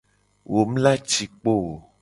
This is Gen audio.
Wo mu la ci kpo o.